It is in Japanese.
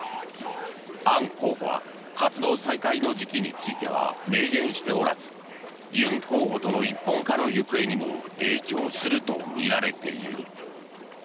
アン候補は活動再開の時期については明言しておらずユン候補との一本化の行方にも影響するとみられている。